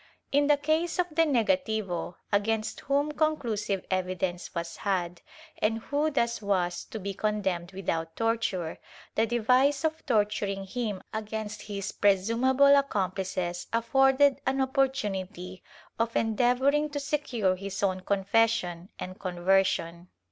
^ In the case of the negativo, against whom conclusive evidence was had, and who thus was to be con demned without torture, the device of torturing him against his presumable accomplices afforded an opportunity of endeavoring to secure his own confession and conversion.